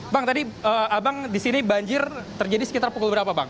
bang tadi abang di sini banjir terjadi sekitar pukul berapa bang